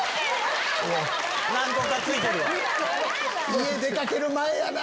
家出掛ける前やな。